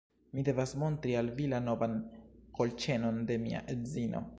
Mi devas montri al vi la novan kolĉenon de mia edzino